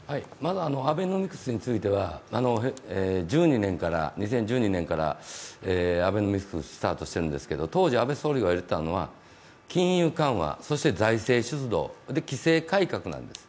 アベノミクスについては２０１２年からアベノミクススタートしてますが当時、安倍総理が言われていたのは金融緩和、そして財政出動、規制改革なんです。